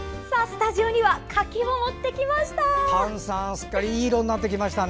スタジオには柿を持ってきました。